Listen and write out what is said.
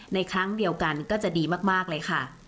ในครั้งเดียวกันก็จะดีมากเลยค่ะ